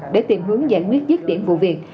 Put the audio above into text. để tìm hướng giải quyết dứt điểm vụ việc